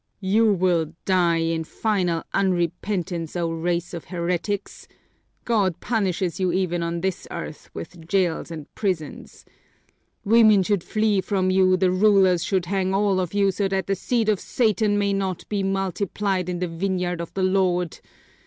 "You will die in final unrepentance, O race of heretics! God punishes you even on this earth with jails and prisons! Women should flee from you, the rulers should hang all of you so that the seed of Satan be not multiplied in the vineyard of the Lord!